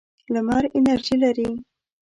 لمر انرژي لري.